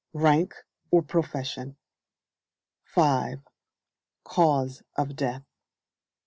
Rank or profession. 5. Cause of death.